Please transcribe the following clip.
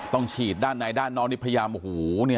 ฉีดด้านในด้านน้องนี่พยายามโอ้โห